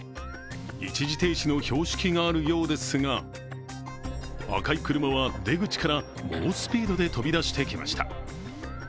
一時停止の標識があるようですが、赤い車は出口から猛スピードで飛び出してきました。